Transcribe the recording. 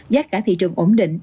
giác cả thị trường ổn định